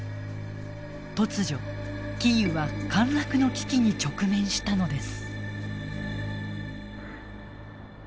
突如キーウは陥落の危機に直面したのです。